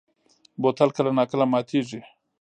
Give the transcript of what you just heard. بوتل کله نا کله ماتېږي.